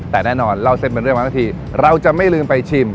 แต่แน่นอนเล่าเส้นเป็นเรื่องมาทั้งทีเราจะไม่ลืมไปชิม